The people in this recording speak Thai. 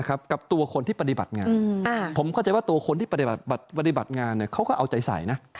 กับตัวคนที่ปฏิบัติงานผมเข้าใจว่าตัวคนที่ปฏิบัติงานเขาก็เอาใจใส่นะ